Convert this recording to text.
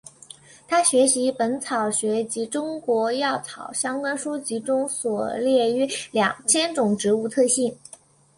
他学习本草学及中国药草相关书籍中所列约两千种植物特性。